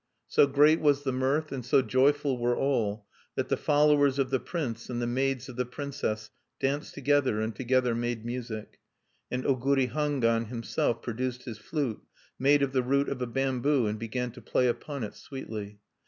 So great was the mirth, and so joyful were all, that the followers of the prince and the maids of the princess danced together, and together made music. And Oguri Hangwan himself produced his flute, made of the root of a bamboo, and began to play upon it sweetly.